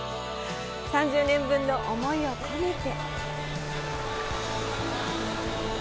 ３０年分の思いを込めて。